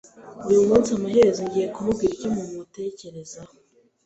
Uyu munsi, amaherezo ngiye kubwira icyo mumutekerezaho.